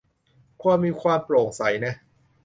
ควรมีความโปร่งใสนะ